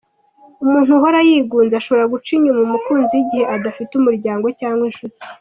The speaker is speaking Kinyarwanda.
Umuntu uhora yigunze ashobora guca inyuma umukunzi we igihe adafite umuryango cyangwa inshuti.